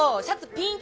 ピン！